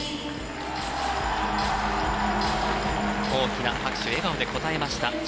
大きな拍手、笑顔で応えました。